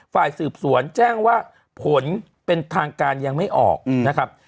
ฝ่ายสืบสวนแจ้งว่าผลเป็นทางการยังไม่ออกนะครับ